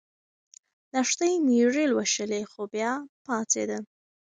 لښتې مېږې لوشلې خو بیا پاڅېده.